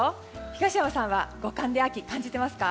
東山さんは五感で秋感じてますか？